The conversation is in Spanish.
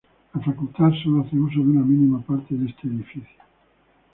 La facultad solo hace uso de una mínima parte de este edificio.